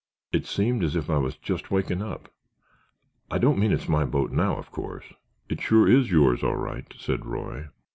It seemed as if I was just waking up. I don't mean it's my boat, now, of course——" "It sure is yours, all right," said Roy.